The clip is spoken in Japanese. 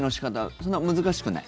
そんなに難しくない？